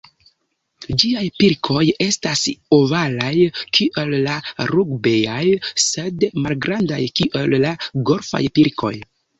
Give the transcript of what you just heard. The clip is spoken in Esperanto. Ĝiaj pilkoj estas ovalaj kiel la rugbeaj, sed malgrandaj kiel la golfaj pilkoj.